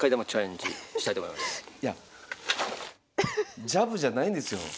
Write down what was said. ジャブじゃないんですよ。